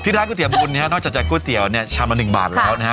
ที่ร้านก๋วยเตี๋ยวบุญเนี้ยนอกจากก๋วยเตี๋ยวเนี้ยชามอันหนึ่งบาทแล้วนะฮะ